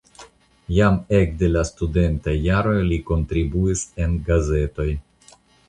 Jam ekde la studentaj jaroj li kontribuis en gazetoj.